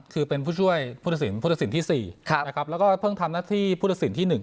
คือเป็นผู้ช่วยผู้สินผู้สินที่สี่ครับแล้วก็เพิ่งทำหน้าที่ผู้สินที่หนึ่ง